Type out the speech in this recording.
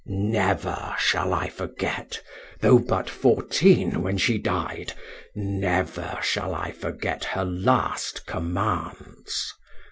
Never shall I forget, though but fourteen when she died never shall I forget her last commands.